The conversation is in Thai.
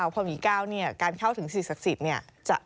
พอมี๙การเข้าถึงสิทธิ์ศักดิ์สิทธิ์เนี่ย